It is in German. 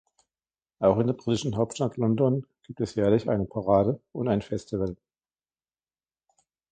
Auch in der britischen Hauptstadt London gibt es jährlich eine Parade und ein Festival.